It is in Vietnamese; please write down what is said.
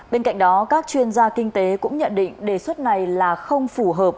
bên cạnh đó các chuyên gia kinh tế cũng nhận định đề xuất này là không phù hợp